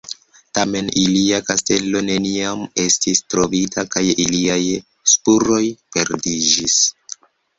Tamen ilia kastelo neniam estis trovita kaj iliaj spuroj perdiĝis.